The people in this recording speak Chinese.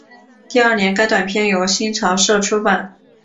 第二年该短篇由新潮社出版。